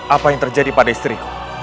apa yang terjadi pada destri